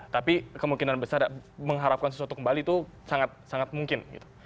tapi kemungkinan besar mengharapkan sesuatu kembali itu sangat mungkin